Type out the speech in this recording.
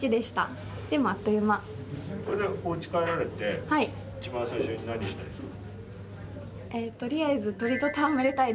これからおうち帰られて一番最初に何したいですか？